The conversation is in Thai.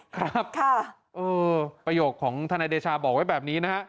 ครับประโยคของทนายเดชาบอกไว้แบบนี้นะฮะ